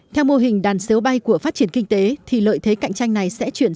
theo mô hình đàn xếu bay của phát triển kinh tế thì lợi thế cạnh tranh này sẽ chuyển